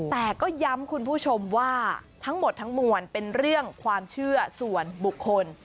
แต่ก็ย้ำคุณผู้ชมว่าทั้งหมดทั้งมวลเป็นเรื่องความเชื่อส่วนบุคคล